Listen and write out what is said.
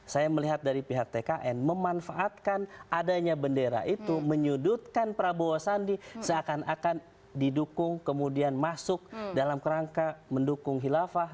saya melihat dari pihak tkn memanfaatkan adanya bendera itu menyudutkan prabowo sandi seakan akan didukung kemudian masuk dalam kerangka mendukung hilafah